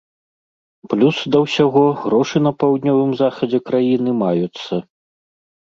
Плюс да ўсяго грошы на паўднёвым захадзе краіны маюцца.